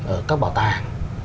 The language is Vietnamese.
ở các bảo tàng